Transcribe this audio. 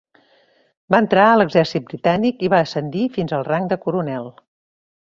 Va entrar a l'exèrcit britànic i va ascendir fins al rang de coronel.